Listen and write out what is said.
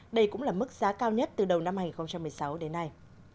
đây cũng là mức giá cao nhất từ đầu năm hai nghìn một mươi sáu đến nay